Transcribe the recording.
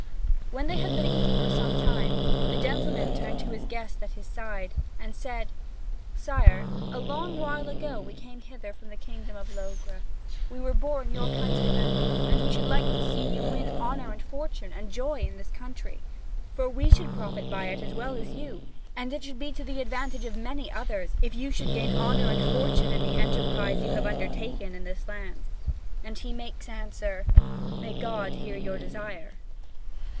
When they had been eating for some time, the gentleman turned to his guest at his side, and said: "Sire, a long while ago we came hither from the kingdom of Logres. We were born your countrymen, and we should like to see you win honour and fortune and joy in this country; for we should profit by it as well as you, and it would be to the advantage of many others, if you should gain honour and fortune in the enterprise you have undertaken in this land." And he makes answer: "May God hear your desire."